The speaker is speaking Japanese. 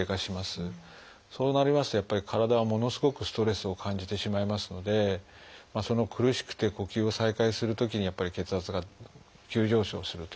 そうなりますとやっぱり体はものすごくストレスを感じてしまいますので苦しくて呼吸を再開するときに血圧が急上昇するということですね。